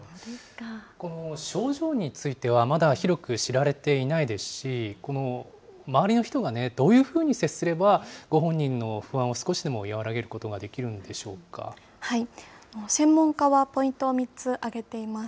この症状についてはまだ広く知られていないですし、この周りの人がどういうふうに接すればご本人の不安を少しでも和専門家はポイントを３つ挙げています。